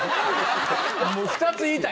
もう２つ言いたい。